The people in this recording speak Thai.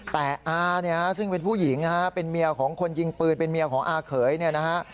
แต่อาเนี่ยซึ่งเป็นผู้หญิงนะฮะเป็นเมียของคนยิงปืนเป็นเมียของอาเขยเนี่ยนะฮะ